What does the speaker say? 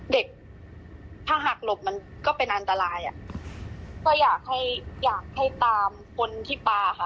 เด็กถ้าหักหลบมันก็เป็นอันตรายอ่ะก็อยากให้อยากให้ตามคนที่ปลาค่ะ